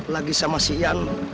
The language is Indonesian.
lagi sama si ian